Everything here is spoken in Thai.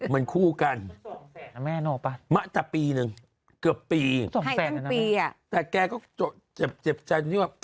มันคู่กันแต่ปีหนึ่งเกือบปีแต่แกก็เจ็บใจ